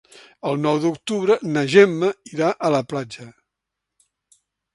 El nou d'octubre na Gemma irà a la platja.